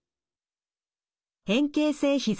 変形性ひざ